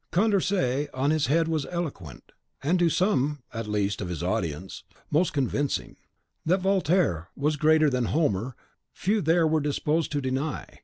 Condorcet on this head was eloquent, and to some, at least, of his audience, most convincing. That Voltaire was greater than Homer few there were disposed to deny.